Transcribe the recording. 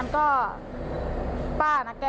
ค่ะ